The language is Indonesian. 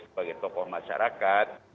sebagai tokoh masyarakat